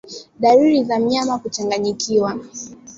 Dalili za mnyama kuchanganyikiwa